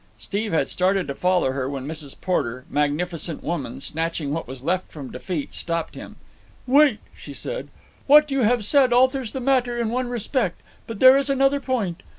Steve had started to follow her when Mrs. Porter, magnificent woman, snatching what was left from defeat, stopped him. "Wait!" she said. "What you have said alters the matter in one respect; but there is another point.